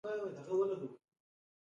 د سهار له لمانځه وروسته سفر پیل کړ.